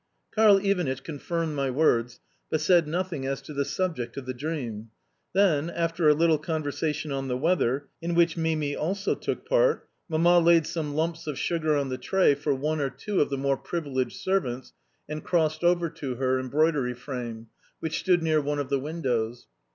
Karl Ivanitch confirmed my words, but said nothing as to the subject of the dream. Then, after a little conversation on the weather, in which Mimi also took part, Mamma laid some lumps of sugar on the tray for one or two of the more privileged servants, and crossed over to her embroidery frame, which stood near one of the windows.